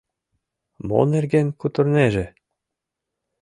«Мо нерген кутырынеже?